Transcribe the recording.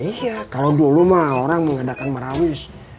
iya kalau dulu mah orang mengadakan mah rawis